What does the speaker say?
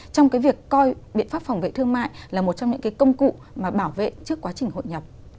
trong cái việc coi biện pháp phòng vệ thương mại là một trong những cái công cụ mà bảo vệ trước quá trình hội nhập